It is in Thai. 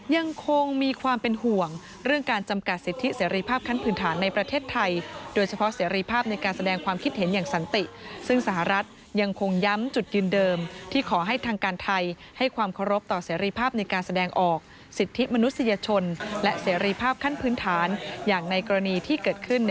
ยังคงมีความเป็นห่วงเรื่องการจำกัดสิทธิเสรีภาพขั้นพื้นฐานในประเทศไทยโดยเฉพาะเสรีภาพในการแสดงความคิดเห็นอย่างสันติซึ่งสหรัฐยังคงย้ำจุดยืนเดิมที่ขอให้ทางการไทยให้ความเคารพต่อเสรีภาพในการแสดงออกสิทธิมนุษยชนและเสรีภาพขั้นพื้นฐานอย่างในกรณีที่เกิดขึ้น